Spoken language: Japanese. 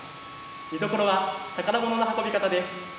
見どころは宝物の運び方です。